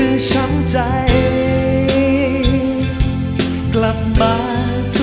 ขอเชิญอาทิตย์สำคัญด้วยค่ะ